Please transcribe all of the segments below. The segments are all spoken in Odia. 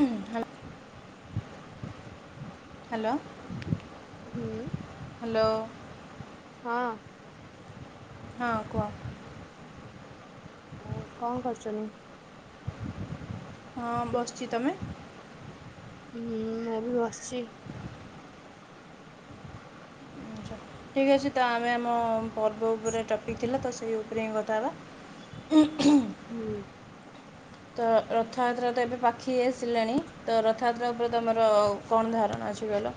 ହ ହ୍ୟାଲୋ। ହୁଁ ହ୍ୟାଲୋ ହଁ। ହଁ କୁହ? ଆଉ କଣ କରୁଛନ୍ତି? ହଁ ବସଛି ତମେ ହୁଁ ମୁଁ ବି ବସିଛି। ଆଛା ଠିକ୍ ଅଛି ତ ଆମେ ଆମ ପର୍ବ ଉପରେ ଟପିକ୍ ଥିଲା ତ ସେଇ ଉପରେ ହିଁ କଥା ହେବା। ହୁଁ। ତ ରଥଯାତ୍ରା ତ ଏବେ ପାଖେଇ ଆସିଲାଣି ତ ରଥଯାତ୍ରା ଉପରେ ତମର କଣ ଧାରଣା ଅଛି କହିଲ।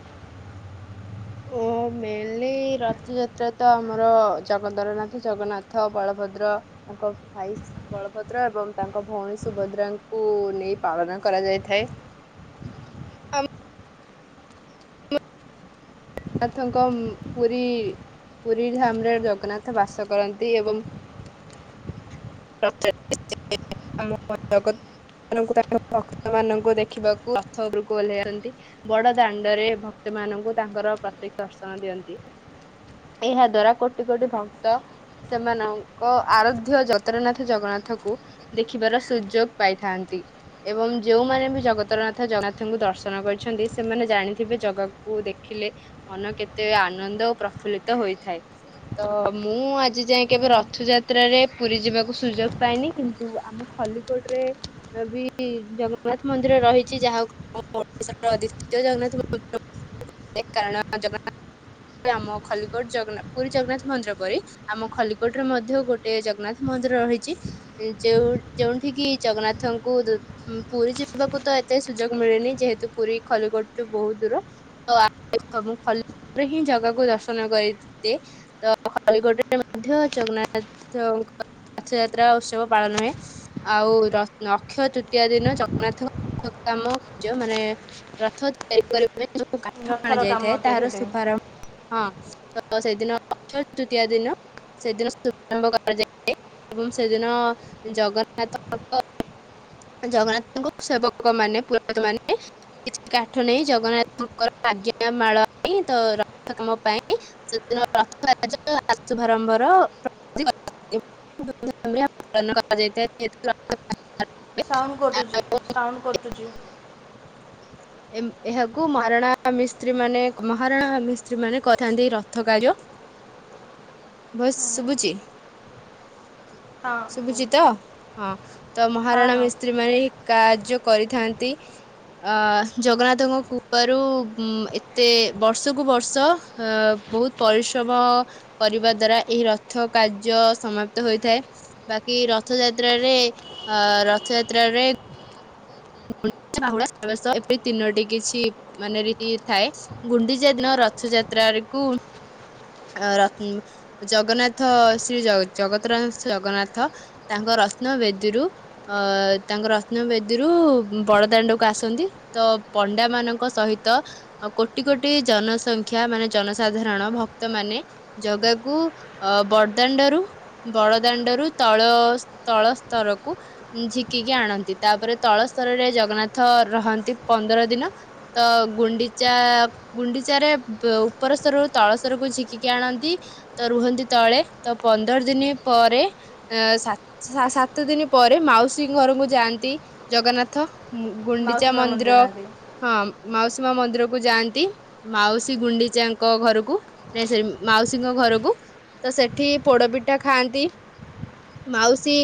ଓ ମେନଲି ରଥଯାତ୍ରା ତ ଆମର ଜଗଦରନାଥ ଜଗନ୍ନାଥ ବଳଭଦ୍ର ତାଙ୍କ ଭାଇ ବଳଭଦ୍ର ଏବଂ ତାଙ୍କ ଭଉଣୀ ସୁଭଦ୍ରାଙ୍କୁ ନେଇ ପାଳନ କରାଯାଇଥାଏ। ଜଗନ୍ନାଥଙ୍କ ପୁରୀଧାମରେ ଜଗନ୍ନାଥ ବାସ କରନ୍ତି ଏବଂ ଆଙ୍କ ଭକ୍ତ ମାନଙ୍କୁ ଦେଖିବାକୁ ପଥ ଉପକୁ ଓହ୍ଲାଇ ଦନ୍ତି ବଡ ଦାଣ୍ଡରେ ଭକ୍ତ ମାନଙ୍କୁ ତାଙ୍କର ପ୍ରତ୍ୟକ୍ଷ ଅର୍ଶନ ଦିଅନ୍ତି ଏହା ଦ୍ଵାରା କୋଟି କୋଟି ଭକ୍ତ ସେମାନଙ୍କ ଆରାଧ୍ୟ ଯ ଜଗତରନାଥ ଜଗନ୍ନାଥଙ୍କୁ ଦେଖିବାର ସୁଯୋଗ ପାଇଥାନ୍ତି ଏବଂ ଯୋଉମାନେ ବି ଜଗତରନାଥ ଜଗନ୍ନାଥଙ୍କୁ ଦର୍ଶନ କରିଛନ୍ତି ସେମାନେ ଜାଣିଥିବେ ଜଗାକୁ ଦେଖିଲେ ମନ କେତେ ଆନନ୍ଦ ଓ ପ୍ରଫୁଲ୍ଲିତ ହୋଇଥାଏ ତ ମୁଁ ଆଜି ଯାଇଏ ହୁଁ, କେବେ ରଥଯାତ୍ରାରେ ପୁରୀ ଯିବାକୁ ସୁଯୋଗ ପାଇନି କିନ୍ତୁ ଆମ ଖଲିକୋଟ ରେ ବି ଜଗନ୍ନାଥ ମନ୍ଦିର ରହିଛି ଯାହା କୁ ଆମ ଓଡିଶା ର ଜଗନ୍ନାଥ ମନ୍ଦିର କାରଣ ଜଗନ୍ନାଥ ଆମ ଖଲିକୋଟ ପୁରୀ ଜଗନ୍ନାଥ ମନ୍ଦିର ପରି ଆମ ଖଲିକୋଟ ରେ ମଧ୍ୟ ଗୋଟେ ଜଗନ୍ନାଥ ମନ୍ଦିର ରହିଛି ଯୋଉ ଯୋଉଠି କିି ଜଗନ୍ନାଥଙ୍କୁ ପୁରୀ ଯିବାକୁ ତ ଏତେ ସୁଯୋଗ ମିଳେନି ଯେହେତୁ ପୁରୀ ଖଲିଗୋଟୁ ବହୁତ ଦୂର ତ ମୁଁ ଖଲୋରେ ହିଁ ଜଗାକୁ ଦର୍ଶନ କରିଦିଏ ତ ଖଲିଗୋଟରେ ମଧ୍ୟ ଜଗନ୍ନାଥ ରଥଯାତ୍ରା ଉତ୍ସବ ପାଳନ ହୁଏ ଆଉ ଅକ୍ଷୟ ତୃତୀୟ ଦିନ ଜଗନ୍ନାଥଙ୍କ କାମ କ ମାନେ ରଥ ତିଆରି କରିବ। କାଠ ଅଣା ରଥର କାମ ଯାଇଥାଏ ତିଆରି ତାର ହୋଇଥାଏ ଶୁଭାରମ୍ଭ ହଁ ତ ସେଦିନ ଅକ୍ଷୟ ତୃତୀୟ ଦିନ ସେଦିନ ଶୁଭମ୍ ଏବଂ ସେଦିନ ଜଗନ୍ନାଥ ଜଗନ୍ନାଥଙ୍କ ସେବକ ମାନେ ପୁରୋହିତ ମାନେ କିଛି କାଠ ନେଇ ଜଗନ୍ନାଥଙ୍କର ଆଜ୍ଞା ମାଳ ପାଇଁ ତ ରଥ କାମ ପାଇଁ ସେଦିନଥ ଶୁଭାରମ୍ଭର ବହୁତ ଧୂମଧାମ ରେ ପାଳନ କରାଯାଇଥାଏ ରଥ ଯାତ୍ରା। ସାଉଣ୍ଡ କଟୁଛି ସାଉଣ୍ଡ କଟୁଛି। ଏହାକୁ ମହାରଣା ମିସ୍ତ୍ରୀ ମାନେ ମହାରଣା ମିସ୍ତ୍ରୀ ମାନେ କରିଥାନ୍ତି ରଥ କାର୍ଯ୍ୟ ଭଏସସ୍ ଶୁଭୁଚି। ହଁ କୁହ। ଶୁଭୁଚି ତ? ହଁ। ତ ହଁ ମହାରଣା ହଁ ମିସ୍ତ୍ରୀ ମାରି କାର୍ଯ୍ୟ କରିଥାନ୍ତି ଆ ଜଗନ୍ନାଥଙ୍କ କୃପାରୁ ଉମ ଏତେ ବର୍ଷକୁ ବର୍ଷ ଏ ବହୁତ ପରିଶ୍ରମ କରିବା ଦ୍ଵାରା ଏହି ରଥ କାର୍ଯ୍ୟ ସମାପ୍ତ ହୋଇଥାଏ, ବାକି ରଥଯାତ୍ରାରେ ଅ ରଥଯାତ୍ରାରେ ସୁନାବେଶ ବାହୁଡା ଏପରି ତିନୋଟି କିଛି ମାନେ ଥାଏ ଗୁଣ୍ଡିଚା ଦିନ ରଥଯାତ୍ରାକୁ ଅ ଉମ ଜଗନ୍ନାଥ ଶ୍ରୀ ଜଗତରନାଥ ଜଗନ୍ନାଥ ତାଙ୍କ ରତ୍ନ ବେଦୀରୁ ଅ ତାଙ୍କ ରତ୍ନ ବେଦୀ ରୁ ବଡଦାଣ୍ଡକୁୁ ଆସନ୍ତି, ତ ପଣ୍ଡା ମାନଙ୍କ ସହିତ କୋଟି କୋଟି ଜନସଂଖ୍ୟା ମାନେ ଜନସାଧାରଣ ଭକ୍ତ ମାନେ ଜଗାକୁ ଅ ବଡଦାଣ୍ଡରୁ ବଡଦାଣ୍ଡରୁ ତଳ ତଳ ସ୍ତରକୁ ଝିକିକି ଆଣନ୍ତି, ତାପରେ ତଳସ୍ତରରେ ଜଗନ୍ନାଥ ରହନ୍ତି ପନ୍ଦର ଦିନ, ତ ଗୁଣ୍ଡିଚା ଗୁଣ୍ଡିଚାରେ ଉପର ସ୍ତରରୁ ତଳ ସ୍ତରକୁ ଝିକିକି ଆଣନ୍ତି ତ ରୁହନ୍ତି ତଳେ, ତ ପନ୍ଦର ଦିନ ପରେ ସା-ସାତ ଦିନ ପରେ ମାଉସୀ ଘରକୁ ଯାଆନ୍ତି ଜଗନ୍ନାଥ। ହୁଁ ମାଉସୀ ଗୁଣ୍ଡିଚା ମା ମନ୍ଦିର ଯାଆନ୍ତି ହଁ। ମାଉସୀ ମା ମନ୍ଦିରକୁ ଯାଆନ୍ତି, ମାଉସୀ ଗୁଣ୍ଡିଚାଙ୍କ ଘରକୁ ନେଇ ସେ ମାଉସୀଙ୍କ ଘରକୁ ତ ସେଠି ପୋଡପିଠା ଖାଆନ୍ତି, ମାଉସୀ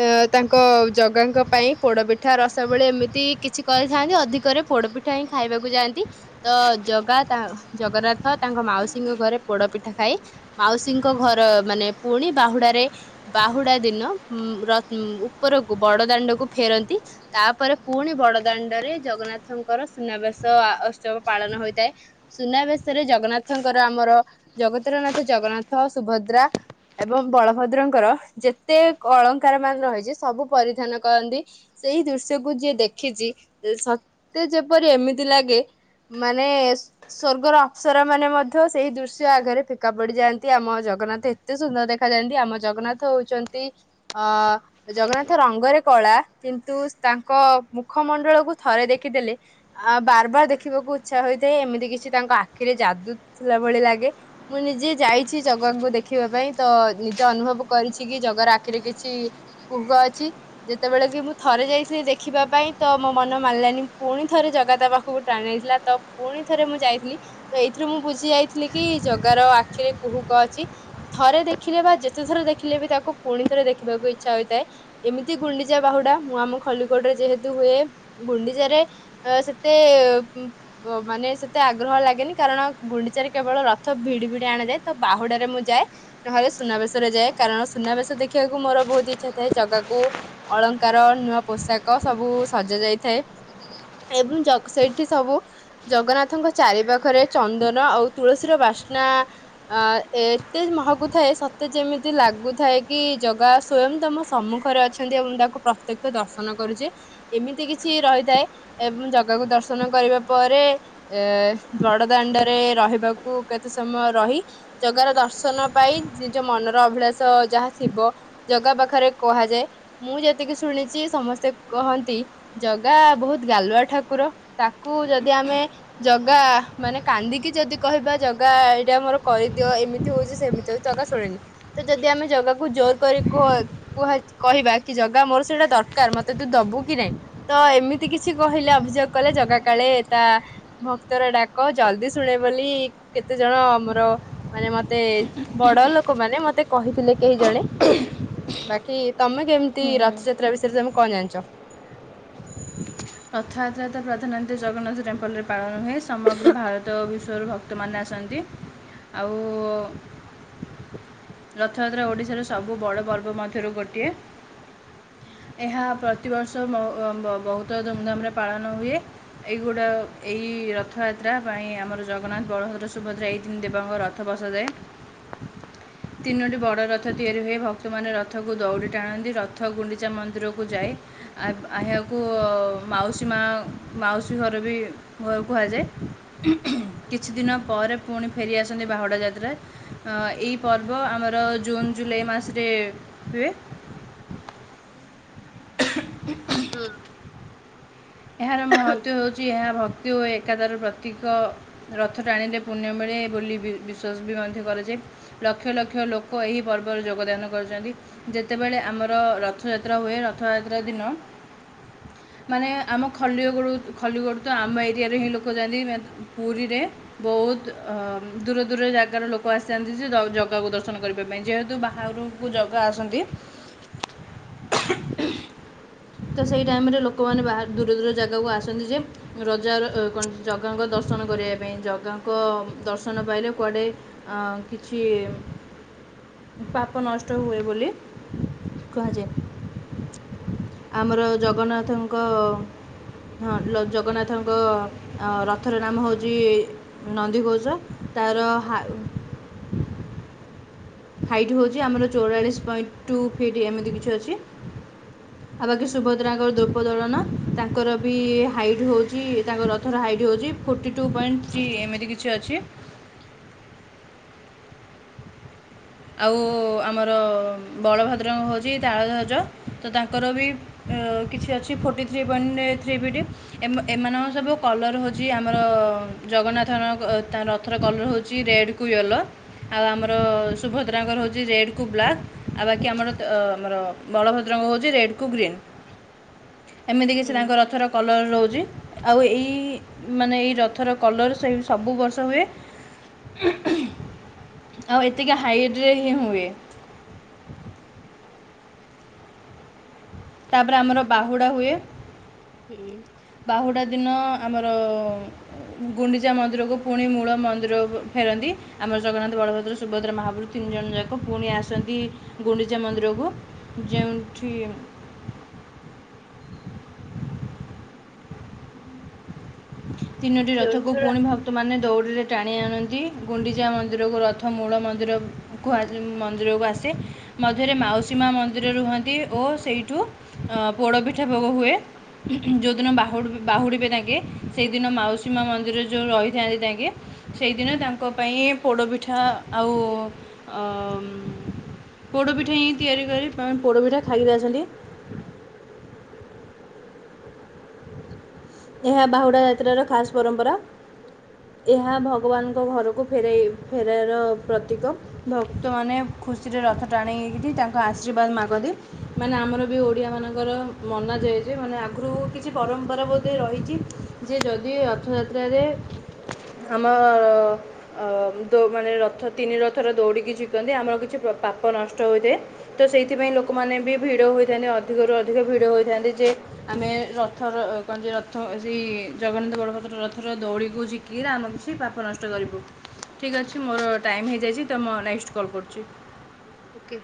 ଅ ତାଙ୍କ ଜଗାଙ୍କ ପାଇଁ ପୋଡପି ଠା ରସାବଳି ଏମିତି କିଛି କରିଥାନ୍ତି ଅଧିକରେ ପୋଡପିଠା ହିଁ ଖାଇବାକୁ ଯାଆନ୍ତି, ତ ଜଗା ତା ଜଗନ୍ନାଥ ତାଙ୍କ ମାଉସୀଙ୍କ ଘରେ ପୋଡପିଠା ଖାଇ, ମାଉସୀଙ୍କ ଘର ମାନେ ପୁଣି ବାହୁଡାରେ ବାହୁଡା ଦିନ ଉ ଉପରକୁ ବଡ ଦାଣ୍ଡକୁ ଫେରନ୍ତି। ତାପରେ ପୁଣି ବଡଦାଣ୍ଡରେ ଜଗନ୍ନାଥଙ୍କର ସୁନାବେଶ ଉତ୍ସବ ପାଳନ ହୋଇଥାଏ, ସୁନାବେଶରେ ଜଗନ୍ନାଥଙ୍କର ଆମର ଜଗତରନାଥ ଜଗନ୍ନାଥ, ସୁଭଦ୍ରା ଏବଂ ବଳଭଦ୍ରଙ୍କର ଯେତେ ଅଳଙ୍କାର ମାନ ରହିଛି ସବୁ ପରିଧାନ କରନ୍ତି। ସେଇ ଦୃଶ୍ୟକୁ ଯିଏ ଦେଖିଚି ସତେ ଯେପରି ଏମିତି ଲାଗେ ମାନେ ସ୍ଵର୍ଗର ଅପସରା ମାନେ ମଧ୍ୟ ସେଇ ଦୃଶ୍ୟ ଆଗରେ ଫିକା ପଡିଯାଆନ୍ତି, ଆମ ଜଗନ୍ନାଥ ଏତେ ସୁନ୍ଦର ଦେଖା ଯାଆନ୍ତି ଆମ ଜଗନ୍ନାଥ ହଉଛନ୍ତି ଅ ଜଗନ୍ନାଥ ରଙ୍ଗରେ କଳା କିନ୍ତୁ ତାଙ୍କ ମୁଖମଣ୍ଡଳକୁ ଥରେ ଦେଖିଦେଲେ ଆ ବାର ବାର ଦେଖିବାକୁ ଇଚ୍ଛା ହୋଇଥାଏ ଏମିତି କିଛି ତାଙ୍କ ଆଖିରେ ଯାଦୁ ଥିଲା ଭଳି ଲାଗେ, ମୁଁ ନିଜେ ଯାଇଛି ଜଗାଙ୍କୁ ଦେଖିବା ପାଇଁ ତ ନିଜେ ଅନୁଭବ କରିଛି କି ଜଗାର ଆଖିରେ କିଛି କୁହୁକ ଅଛି, ଯେତେବେଳେ କି ମୁଁ ଥରେ ଯାଇଥିଲି ଦେଖିବା ପାଇଁ ତ ମୋ ମନ ମାନିଲାନି ପୁଣି ଥରେ ଜଗା ତା ପାଖକୁ ଟାଣି ନେଇଥିଲା ତ ପୁଣି ଥରେ ମୁଁ ଯାଇଥିଲି ତ ଏଇଥିରୁ ମୁଁ ବୁଝି ଯାଇଥିଲି କି ଜଗାର ଆଖିରେ କୁହୁକ ଅଛି ଥରେ ଦେଖିଲେ ବା ଯେତେ ଥର ଦେଖିଲେ ବି ତାକୁ ପୁଣି ଥରେ ଦେଖିବାକୁ ଇଚ୍ଛା ହୋଇଥାଏ, ଏମିତି ଗୁଣ୍ଡିଚା ବାହୁଡା। ମୁଁ ଆମ ଖଲିକୋଟରେ ଯେହେତୁ ହୁଏ, ଗୁଣ୍ଡିଚାରେ ସେତେ ମାନେ ସେତେ ଆଗ୍ରହ ଲାଗେନି କାରଣ ଗୁଣ୍ଡିଚାରେ କେବଳ ରଥ ଭିଡି ଭିଡି ଆଣାଯାଏ, ତ ବାହୁଡାରେ ମୁଁ ଯାଏ ନହେଲେ ସୁନାବେଶ ରେ ଯାଏ କାରଣ ସୁନାବେଶ ଦେଖିବାକୁ ମୋର ବହୁତ ଇଚ୍ଛା ଥାଏ ଜଗାକୁ ଅଳ ଙ୍କାର ନୂଆ ପୋଷାକ ସବୁ ସଜା ଯାଇଥାଏ ଏବଂ ସେଇଠି ସବୁ ଜଗନ୍ନାଥଙ୍କ ଚାରିପାଖରେ ଚନ୍ଦନ ଆଉ ତୁଳସୀର ବାସ୍ନା ଅ ଏତେ ମହକୁଥାଏ ସତେ ଯେମିତି ଲାଗୁଥାଏ କି ଜଗା ସ୍ଵୟଂ ତମ ସମ୍ମୁଖରେ ଅଛନ୍ତି ଏବଂ ତାକୁ ପ୍ରତ୍ୟକ୍ଷ ଦର୍ଶନ କରୁଛେ, ଏମିତି କିଛି ରହିଥାଏ ଏବଂ ଜଗାକୁ ଦର୍ଶନ କରିବା ପରେ ଏ ବଡ ଦାଣ୍ଡରେ ରହିବାକୁ କେତେ ସମୟ ରହି ଜଗାର ଦର୍ଶନ ପାଇଁ ନିଜ ମନର ଅଭିଳାଷ ଯାହା ଥିବ ଜଗା ପାଖରେ କୁହାଯାଏ, ମୁଁ ଯେ ଏତିକି ଶୁଣିଛି ସମସ୍ତେ କହନ୍ତି ଜଗା ବହୁତ ଗାଲୁଆ ଠାକୁର, ତାକୁ ଯଦି ଆମେ ଜଗା ମାନେ କାନ୍ଦିକି ଯଦି କହିବା ଜଗା ଏଇଟା ଆମର କରିଦିଅ ଏମିତି ହଉଛି ସେମିତି ଜଗା ଶୁଣେନି, ତ ଯଦି ଆମେ ଜଗାକୁ ଜୋର କରି କହ କୁହା କହିବା କି ଜ ଗ ମୋର ସେଇଟା ଦରକାର ମତେ ତୁ ଦବୁ କି ନାଇଁ? ତ ଏମିତି କିଛି କହିଲେ ଅଭିଯୋଗ କଲେ ଜଗା କାଳେ ତା ଭକ୍ତର ଡାକ ଜଲଦି ଶୁଣେ ବୋଲି କେତେ ଜଣ ଆମର ମାନେ ମତେ ବଡ ଲୋକ ମାନେ ମତେ କହିଥିଲେ କେହି ଜଣେ ବାକି ତମେ କେମ ତି ରଥଯାତ୍ରା ବିଷୟରେ ତମେ କଣ ଜାଣିଚ? ରଥଯାତ୍ରା ତ ପ୍ରଧାନ ଜଗନ୍ନାଥ ଟେମ୍ପଲରେ ପାଳନ ହୁଏ, ସମଗ୍ର ଭାରତ ବିଶ୍ୱରୁ ଭକ୍ତମାନେ ଆସନ୍ତି, ଆଉ ରଥଯାତ୍ରା ଓଡ଼ିଶାର ସବୁ ବଡ଼ ପର୍ବ ମଧ୍ୟରୁ ଗୋଟିଏ, ଏହା ପ୍ରତିବର୍ଷ ବ-ବ-ବହୁ ତ ଧୁମଧାମରେ ପାଳନ ହୁଏ, ଏଇଗୁଡ଼ା ଏଇ ରଥଯାତ୍ରା ପାଇଁ ଆମର ଜଗନ୍ନାଥ, ବଳଭଦ୍ର, ସୁଭଦ୍ରା ଏଇ ତିନି ଦେବଙ୍କ ରଥ ବସାଯାଏ, ତିନୋଟି ବଡ଼ ରଥ ତିଆରି ହୁଏ ଭକ୍ତମାନେ ରଥକୁ ଦୌଡ଼ି ଟାଣନ୍ତି ରଥ ଗୁଣ୍ଡିଚା ମନ୍ଦିରକୁ ଯାଏ, ଏ -ଏହାକୁ ପ ମାଉସୀ ମା ମାଉସୀ ଘରବି ଘର କୁହାଯାଏ, କିଛିଦିନ ପରେ ପୁଣି ଫେରିଆସନ୍ତି ବାହୁଡ଼ା ଯାତ୍ରା, ଏଇ ପର୍ବ ଆମର ଜୁନ୍ ଜୁଲାଇ ମାସରେ ହୁଏ। ହୁଁ। ଏହାର ମହତ୍ବ ହଉଚି ଏହା ଭ କ୍ତି ଓ ଏକତାର ପ୍ରତୀକ ରଥ ଟାଣିଲେ ପୁଣ୍ୟ ମିଳେ ବୋଲି ବି-ବିଶ୍ୱାସ ବି ମଧ୍ୟ କରାଯାଏ, ଲକ୍ଷ ଲକ୍ଷ ଲୋକ ଏହି ପର୍ବରେ ଯୋଗଦାନ କରୁଛନ୍ତି, ଯେତେବେଳେ ଆମର ରଥଯାତ୍ରା ହୁଏ ରଥଯାତ୍ରା ଦିନ ମାନେ ଆମ ଖଲିଗଡ଼ ଖଲିଗଡରୁ ତ ଆମ ଏରିଆରେ ହିଁ ଲୋକ ଯାଆନ୍ତି, ପୁରୀରେ ବହୁତ ଅଁ ଦୂର ଦୂର ଜାଗାରୁ ଲୋକ ଆସିଥାନ୍ତି ସେ ଜ-ଜଗାକୁ ଦର୍ଶନ କରିବା ପାଇଁ, ଯେହେତୁ ବାହାରକୁ ଜଗା ଆସନ୍ତି ତ ସେଇ ଟାଇମରେ ଲୋକମାନେ ବାହାର ଦୂର ଦୂର ଜାଗାକୁ ଆସନ୍ତି ଯେ, ରଜାର କଣ ଜଗାଙ୍କ ଦର୍ଶନ କରିବା ପାଇଁ, ଜଗାଙ୍କ ଦର୍ଶନ ପାଇଲେ କୁଆଡେ ଅଁ କିଛି ପାପ ନଷ୍ଟ ହୁଏ ବୋଲି କୁହାଯାଏ। ଆମର ଜଗନ୍ନାଥଙ୍କ ହଁ ଲ ଜଗନ୍ନାଥଙ୍କ ରଥର ନାମ ହେଉଚି ନନ୍ଦିଘୋଷ ତାର ହା ହାଇଟ୍ ହେଉଚି ଆମର ଚଉରାଳିଶ ପଏଣ୍ଟ ଟୁ ଫିଟ୍ ଏମିତି କିଛି ଅଛି ଆଉ ବାକି ସୁଭଦ୍ରାଙ୍କର ଦ୍ରୋପଦଳନ ତାଙ୍କର ବି ହାଇଟ୍ ହୋଉଚି ତାଙ୍କ ରଥର ହାଇଟ୍ ହୋଉଚି ଫୋର୍ଟି ଟୁ ପଏଣ୍ଟ ଥ୍ରୀ ଏମିତି କିଛି ଅଛି। ଆଉ ଆମର ବଳଭଦ୍ରଙ୍କ ହଉଛି ତାଳଧ୍ୱଜ ତ ତାଙ୍କର ବି କିଛି ଅଛି forty three point three feet ଏମା ଏମାନଙ୍କ ସବୁ କଲର୍ ହଉଚି ଆମର ଜଗନ୍ନାଥଙ୍କ ରଥର କଲର ହଉଚି ରେଡ୍ କୁ ୟେଲୋ, ଆଉ ଆମର ସୁଭଦ୍ରାଙ୍କର ହଉଚି ରେଡ କୁ ବ୍ଲାକ୍ ଆଉ ବାକି ଆମର ଅ ଆମର ବଳଭଦ୍ରଙ୍କର ହଉଚି ରେଡ। କୁ ଗ୍ରୀନ୍ ଏମିତିକିଛି ହୁଁ ତାଙ୍କ ରଥର କଲର୍ ରହୁଚି ଆଉ ଏଇ ମାନେ ଏଇ ରଥର କଲର ସେଇ ସବୁ ବର୍ଷ ହୁଏ ଆଉ ଏ ହାଇଟ୍ ରେ ହିଁ ହୁଏ। ତାପରେ ଆମର ବାହୁଡ଼ା ହୁଏ ହୁଁ। ବାହୁଡ଼ା ଦିନ ଆମର ଗୁଣ୍ଡିଚା ମନ୍ଦିରକୁ ପୁଣି ମୂଳ ମନ୍ଦିର କୁ ଫେରନ୍ତି ଆମର ଜଗନ୍ନାଥ ବଳଭଦ୍ର ସୁଭଦ୍ରା ମହାପ୍ରରୁ ତିନି ଜଣ ଯାକ ପୁଣି ଆସନ୍ତି ଗୁଣ୍ଡିଚା ମନ୍ଦିରକୁ ଯେଉଁଠି ତିନୋଟି ରଥକୁ ପୁଣି ଭକ୍ତମାନେ ଦୌଡ଼ିରେ ଟାଣି ଆଣନ୍ତି ଗୁଣ୍ଡିଚା ମନ୍ଦିରକୁ ରଥ ମୂଳ ମନ୍ଦିର କ ମନ୍ଦିରକୁ ଆସେ ମଧ୍ୟରେ ମାଉସୀ ମା ମନ୍ଦିର ରୁହନ୍ତି ଓ ସେଇଠୁ ଅ ପୋଡ଼ପିଠା ଭୋଗ ହୁଏ ଯେଉଁଦିନ ବାହୁ ବାହୁଡ଼ିବେ ତାଙ୍କେ ସେହିଦିନ ମାଉସୀ ମା ମନ୍ଦିର ଯୋଉ ରହିଥାନ୍ତି ତାଙ୍କେ ସେଇଦିନ ତାଙ୍କ ପାଇଁ ପୋଡ଼ପିଠା ଆଉ ଅଁ ଉଁ ପୋଡ଼ପିଠା ହିଁ ତିଆରି କରି ପା ପୋଡ଼ପିଠା ଖାଇକି ଆସନ୍ତି। ଏହା ବାହୁଡ଼ା ଯାତ୍ରାର ଖାସ୍ ପରମ୍ପରା ଏହା ଭଗବାନଙ୍କ ଘରକୁ ଫେରାଇ ଫେରାର ପ୍ରତୀକ ଭକ୍ତମାନେ ଖୁସିରେ ରଥ ଟାଣିକି ତାଙ୍କ ଆଶୀର୍ବାଦ ମାଗନ୍ତି ମାନେ ଆମର ବି ଓଡ଼ିଆ ମାନଙ୍କର ମନା ଯାଏ ଯେ ମାନେ ଆଗରୁ କିଛି ପରମ୍ପରା ବହୁତ ତ ରହିଛି ଯେ ଯଦି ରଥଯାତ୍ରାରେ ଆମ ମାନେ ରଥ ତିନି ରଥର ଦୌଡ଼ିକି ଝିକନ୍ତି ଆମର କିଛି ପ୍ର ପାପ ନଷ୍ଟ ହୋଇଥାଏ ତ ସେଇଥିପାଇଁ ଲୋକମାନେ ବି ଭିଡ଼ ହୋଇଥାନ୍ତି ଅଧିକରୁ ଅଧିକ ଭିଡ଼ ହୋଇଥାନ୍ତି ଯେ ଆମେ ରଥର କଣ ଯେ ରଥ ସେଇ ଜଗନ୍ନାଥ ବଳଭଦ୍ର ରଥର ଦଉଡ଼ିକୁ ଝିକି କିରି ଆମର କିଛି ପାପ ନଷ୍ଟ କରିବୁ ଠିକ୍ ଅଛି ମୋର ଟାଇମ୍ ହେଇଯାଇଚି ତ ମୁଁ ନେକ୍ସଟ କଲ୍ କରୁଚି। ଓକେ।